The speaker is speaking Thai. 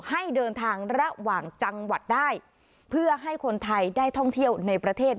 ให้เดินทางระหว่างจังหวัดได้เพื่อให้คนไทยได้ท่องเที่ยวในประเทศ